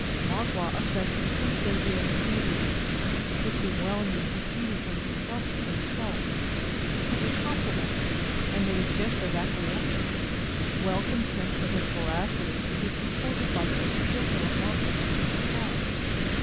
Magua affected to consider the expedient, which he well knew proceeded from distrust of himself, as a compliment, and made a gesture of acquiescence, well content that his veracity should be supported by so skillful a marksman as the scout.